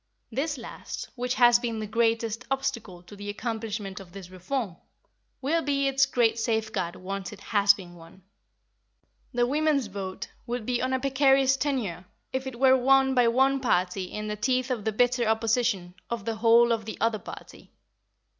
This last, which has been the greatest obstacle to the accomplishment of this reform, will be its great safeguard once it has been won. The women's vote would be on a precarious tenure if it were won by one party in the teeth of the bitter opposition of the whole of the other party.